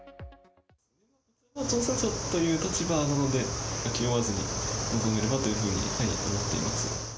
挑戦者という立場なので、気負わずに臨めればというふうに思っています。